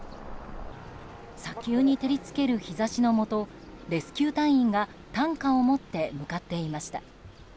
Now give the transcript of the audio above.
砂丘に照り付ける日差しのもとレスキュー隊員が担架を持って向かっていました。